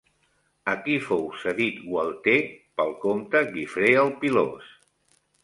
A qui fou cedit Gualter pel comte Guifre el Pilós?